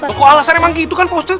ayalah alasan aja pak ustadz